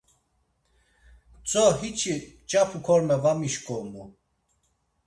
Tzo hiçi mç̌apu korme va mişǩomu.